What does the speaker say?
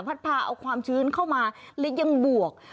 พาเอาความชื้นเข้ามาและยังบวก